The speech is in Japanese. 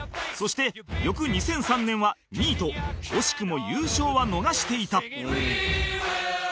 そして翌２００３年は２位と惜しくも優勝は逃していた